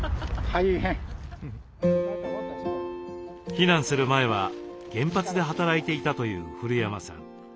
避難する前は原発で働いていたという古山さん。